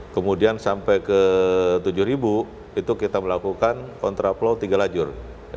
kemudian sampai ke tujuh ribu itu kita melakukan kontraflow tiga lajur